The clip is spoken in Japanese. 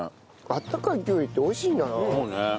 温かいきゅうりって美味しいんだな。